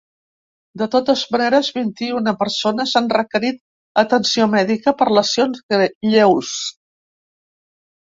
De totes maneres, vint-i-una persones han requerit atenció mèdica per lesions lleus.